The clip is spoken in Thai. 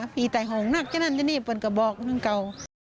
มีแต่ห่อห่องนักซะนี่พ่อกลับบอกบอกเก่า